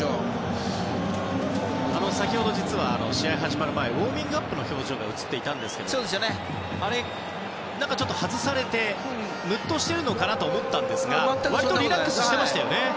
先ほど実は試合が始まる前ロナウドのウォーミングアップの表情が映っていたんですけどもちょっと外されてムッとしているかなと思ったらリラックスしてましたよね。